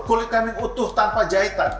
kulit kambing utuh tanpa jahitan